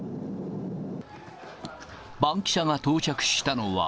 バンキシャが到着したのは。